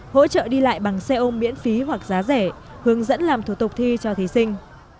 hỗ trợ đi lại bằng xe ôm miễn phí hoặc giá rẻ hướng dẫn làm thủ tục thi cho thí sinh